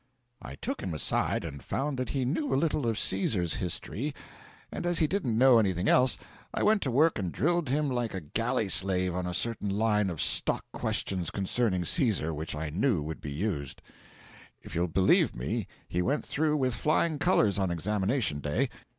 I took him aside, and found that he knew a little of Caesar's history; and as he didn't know anything else, I went to work and drilled him like a galley slave on a certain line of stock questions concerning Caesar which I knew would be used. If you'll believe me, he went through with flying colours on examination day!